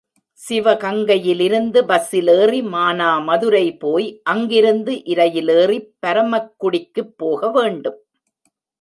சிவகங்கையிலிருந்து பஸ்ஸிலேறி மானாமதுரை போய் அங்கிருந்து இரயிலேறிப் பரமக்குடிக்குப் போக வேண்டும்.